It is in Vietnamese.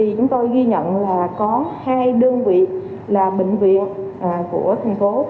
chúng tôi ghi nhận là có hai đơn vị là bệnh viện của thành phố